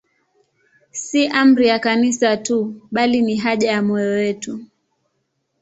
Si amri ya Kanisa tu, bali ni haja ya moyo wetu.